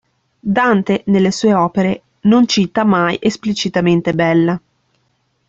Dante nelle sue opere non cita mai esplicitamente Bella.